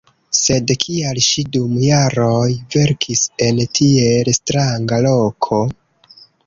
Sed kial ŝi dum jaroj verkis en tiel stranga loko?